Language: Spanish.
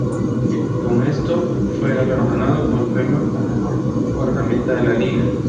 Con esto, fue galardonado con el premio al Mejor Guardameta de la Liga.